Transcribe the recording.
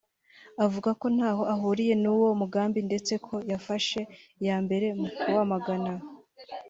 avuga ko ntaho ahuriye n’uwo mugambi ndetse ko yafashe iya mbere mu kuwamagana